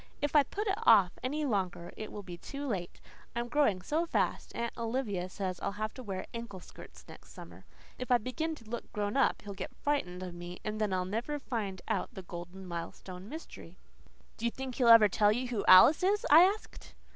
"If I put it off any longer it will be too late. I'm growing so fast, Aunt Olivia says I'll have to wear ankle skirts next summer. If I begin to look grown up he'll get frightened of me, and then I'll never find out the Golden Milestone mystery." "Do you think he'll ever tell you who Alice is?" I asked.